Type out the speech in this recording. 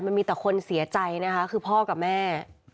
มันมีแต่คนเสียใจนะคะคือพ่อกับแม่